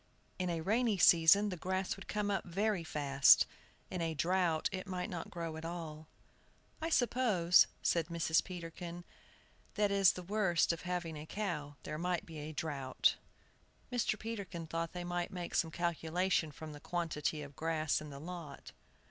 In a rainy season the grass would come up very fast, in a drought it might not grow at all. "I suppose," said Mrs. Peterkin, "that is the worst of having a cow, there might be a drought." Mr. Peterkin thought they might make some calculation from the quantity of grass in the lot.